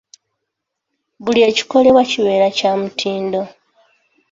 Buli kikolebwa kibeere kya mutindo.